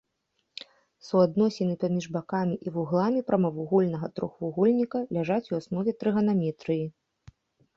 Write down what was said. Суадносіны паміж бакамі і вугламі прамавугольнага трохвугольніка ляжаць у аснове трыганаметрыі.